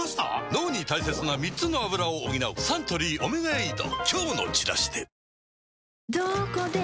脳に大切な３つのアブラを補うサントリー「オメガエイド」